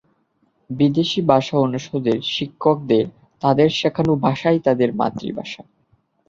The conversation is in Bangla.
বিদেশী ভাষা অনুষদের শিক্ষকদের তাদের শেখানো ভাষাই তাদের মাতৃভাষা।